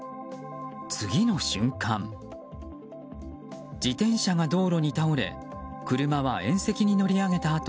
次の瞬間自転車が道路に倒れ車は縁石に乗り上げた